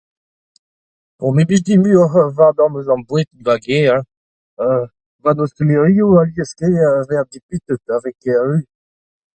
O me 'blij din muioc'h ober ma zamm boued 'ba gêr [eeu] 'barzh an ostalerioù alies-tre e vezer dipitet hag e vez ker-ruz.